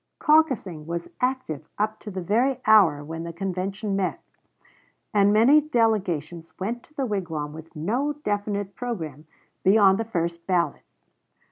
Caucusing was active up to the very hour when the convention met, and many delegations went to the wigwam with no definite programme beyond the first ballot.